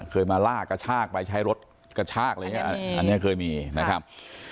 เคยมาลากกระชากไปใช้รถกระชากอะไรอย่างนี้อันนี้เคยมีนะครับ